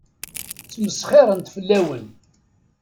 Ttmesxiṛent fell-awen.